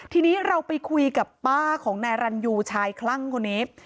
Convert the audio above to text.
ทีนี้เราไปคุยกับป้าของนายรันยูชายคลั่งคนนี้